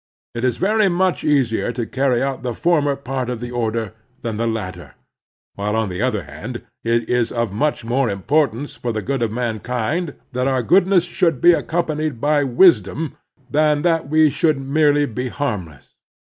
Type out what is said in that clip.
It is very much easier to carry out Character and Success 1x5 the former part of the order than the latter; while, on the other hand, it is of much more importance for the good of mankind that our goodness should be accompanied by wisdom than that we should merely be harmless.